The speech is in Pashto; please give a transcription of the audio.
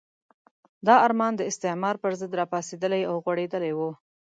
دا ارمان د استعمار پرضد راپاڅېدلی او غوړېدلی وو.